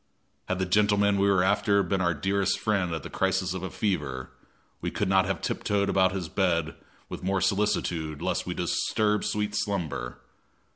Had the gentleman we were after been our dearest friend at the crisis of a fever, we could not have tiptoed about his bed with more solicitude lest we disturb sweet slumber.